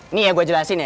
ini yang gue jelasin ya